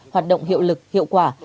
hoạt động hiệu lực hiệu quả